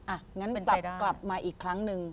งั้นกลับมาอีกครั้งหนึ่ง